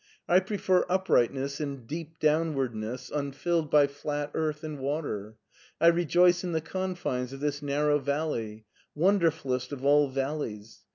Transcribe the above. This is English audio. " I prefer uprightness and deep downwardness unfilled by flat earth and water. I rejoice in the confines of this narrow valley. Wonderf ullest of all valleys